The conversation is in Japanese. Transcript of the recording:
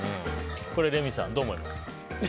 レミさん、どう思いますか？